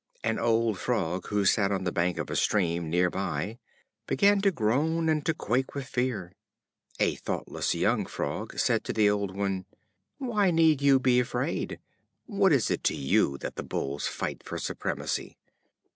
An old Frog, who sat on the bank of a stream near by, began to groan and to quake with fear. A thoughtless young Frog said to the old one: "Why need you be afraid? What is it to you that the Bulls fight for supremacy?"